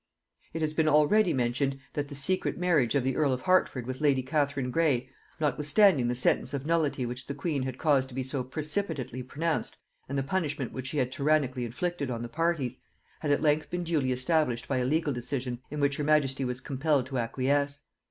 It has been already mentioned, that the secret marriage of the earl of Hertford with lady Catherine Gray, notwithstanding the sentence of nullity which the queen had caused to be so precipitately pronounced and the punishment which she had tyrannically inflicted on the parties, had at length been duly established by a legal decision in which her majesty was compelled to acquiesce.